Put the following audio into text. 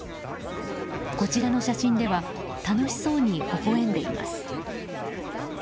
こちらの写真では楽しそうに微笑んでいます。